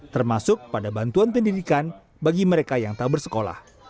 termasuk pada bantuan pendidikan bagi mereka yang tak bersekolah